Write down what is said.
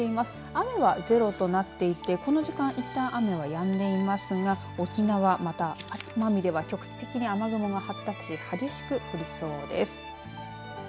雨はゼロとなっていてこの時間いったん雨はやんでいますが沖縄また奄美では局地的に雨雲が発達し激しく降りそうです。